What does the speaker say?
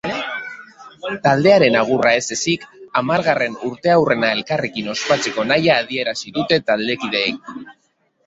Taldearen agurra ez ezik, hamargarren urteurrena elkarrekin ospatzeko nahia adierazi dute taldekideek.